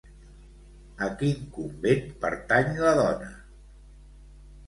A quin convent pertany la dona?